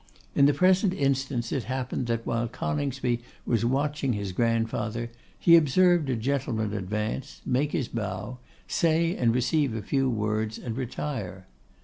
In the present instance it happened that, while Coningsby was watching his grandfather, he observed a gentleman advance, make his bow, say and receive a few words and retire.